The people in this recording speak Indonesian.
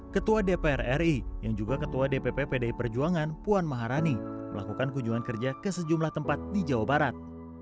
ketua dpr ri yang juga ketua dpp pdi perjuangan puan maharani melakukan kunjungan kerja ke sejumlah tempat di jawa barat